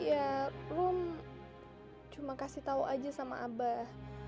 ya lu cuma kasih tau aja sama abah